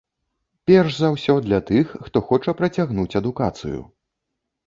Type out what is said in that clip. Перш за ўсё для тых, хто хоча працягнуць адукацыю.